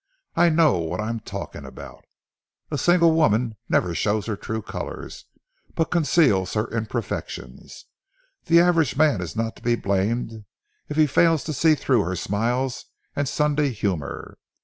I know what I'm talking about. A single woman never shows her true colors, but conceals her imperfections. The average man is not to be blamed if he fails to see through her smiles and Sunday humor.